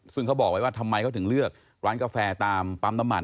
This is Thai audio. ซึ่งเขาบอกไว้ว่าทำไมเขาถึงเลือกร้านกาแฟตามปั๊มน้ำมัน